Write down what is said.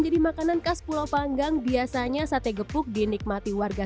jadi makanan khas pulau panggang biasanya sate gepuk dinikmati warga